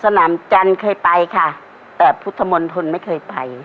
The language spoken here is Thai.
สนามจันทร์เคยไปค่ะแต่พุทธมนตรไม่เคยไป